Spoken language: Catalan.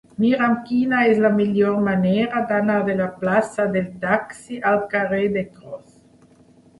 Mira'm quina és la millor manera d'anar de la plaça del Taxi al carrer de Cros.